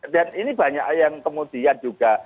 dan ini banyak yang kemudian juga